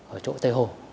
ở chỗ tây hồ